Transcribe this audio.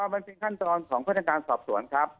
อ๋อมันเป็นขั้นตอนของเครื่องการสอบส่วนครับ